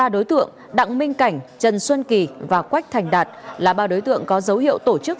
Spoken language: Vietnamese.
ba đối tượng đặng minh cảnh trần xuân kỳ và quách thành đạt là ba đối tượng có dấu hiệu tổ chức